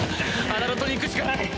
アララトに行くしかない。